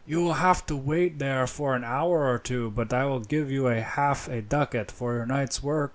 "You will have to wait there for an hour or two, but I will give you half a ducat for your night's work."